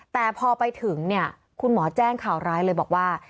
แต่พอไปถึงเนี่ยคุณหมอแจ้งข่าวร้ายเลยบอกว่า